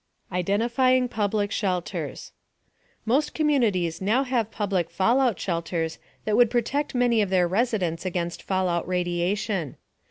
IDENTIFYING PUBLIC SHELTERS Most communities now have public fallout shelters that would protect many of their residents against fallout radiation.